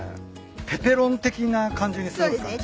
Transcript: ペペロン的な感じにするんすかね？